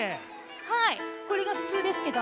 はいこれがふつうですけど。